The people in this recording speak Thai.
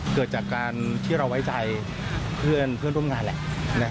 เกิดจากการที่เราไว้ใจเพื่อนร่วมงานแหละ